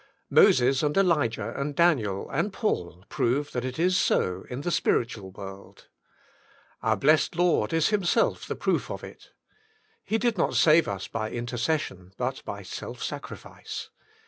Moses and Elijah and Daniel and Paul prove that it is so in the spiritual world. Our blessed Lord is Himself the proof of it. He did not save us by intercession, but by self sacrifice.